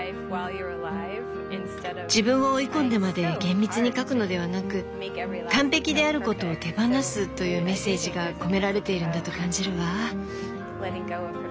自分を追い込んでまで厳密に描くのではなく完璧であることを手放すというメッセージが込められているんだと感じるわ。